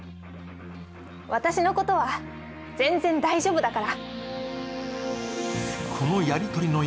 私のことは全然、大丈夫だから。